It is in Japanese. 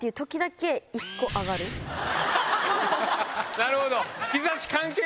なるほど。